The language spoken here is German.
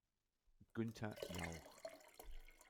Günter Jauch